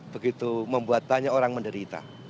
begitu membuat banyak orang menderita